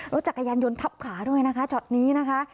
รถจักรยานยนต์ทับขาด้วยนะคะช็อตนี้นะคะ